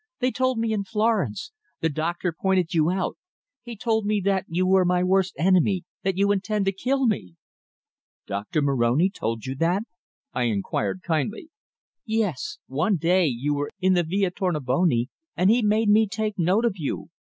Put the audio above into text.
They told me in Florence. The doctor pointed you out. He told me that you were my worst enemy that you intend to kill me!" "Doctor Moroni told you that?" I inquired kindly. "Yes. One day you were in the Via Tornabuoni and he made me take note of you.